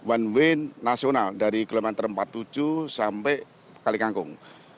one way nasional dari kilometer empat puluh tujuh sampai kalikangkung